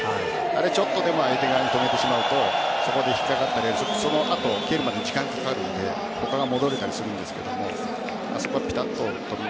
あそこで相手側に止めてしまうとそこで引っかかったりそのあと蹴るまでに時間がかかるので他が戻れたりするんですけどあそこでぴたっと止めて。